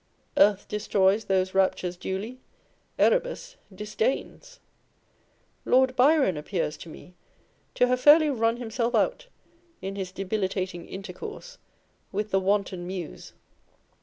Earth destroys Those raptures duly : Erebus disdains ! Lord Byron appears to me to have fairly run himself out in his debilitating intercourse with the wanton Muse.